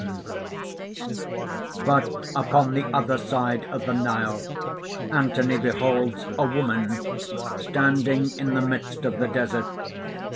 _ _But upon the other side of the Nile, Anthony beholds a Woman, standing in the midst of the desert.